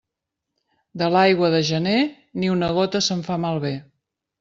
De l'aigua de gener, ni una gota se'n fa malbé.